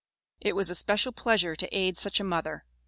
It was a special pleasure to aid such a mother.